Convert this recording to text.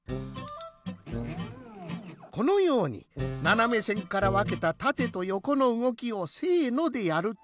このようにななめせんからわけたたてとよこのうごきをせのでやると。